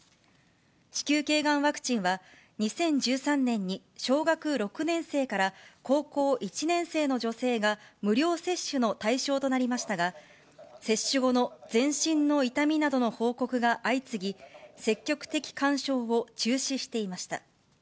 子宮けいがんワクチンは、２０１３年に小学６年生から高校１年生の女性が無料接種の対象となりましたが、接種後の全身の痛みなどの報告が相次ぎ、積極的勧奨を中止していました。